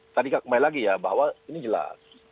tadi kak kumail lagi ya bahwa ini jelas